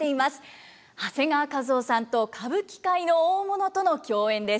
長谷川一夫さんと歌舞伎界の大物との競演です。